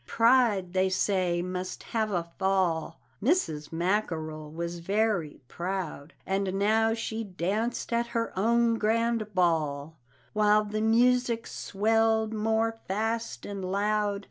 "Pride," they say, "must have a fall " Mrs. Mackerel was very proud And now she danced at her own grand ball, While the music swelled more fast and loud.